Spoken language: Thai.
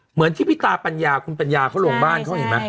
เหมือนที่พี่ตาปัญญาคุณปัญญาเขาลงบ้านเขาเห็นไหม